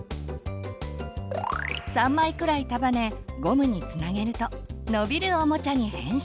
３枚くらい束ねゴムにつなげると伸びるおもちゃに変身！